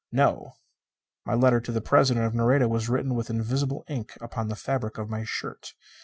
"No." My letter to the President of Nareda was written with invisible ink upon the fabric of my shirt.